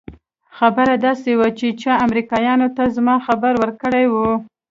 خبره داسې وه چې چا امريکايانو ته زما خبر ورکړى و.